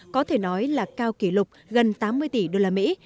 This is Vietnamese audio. có thể nói là cao kỷ lục gần tám mươi tỷ đô la mỹ